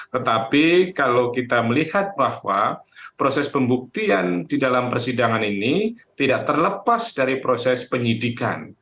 tetapi kalau kita melihat bahwa proses pembuktian di dalam persidangan ini tidak terlepas dari proses penyidikan